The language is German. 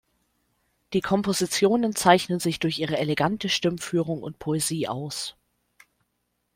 Die Kompositionen zeichnen sich durch ihre elegante Stimmführung und Poesie aus.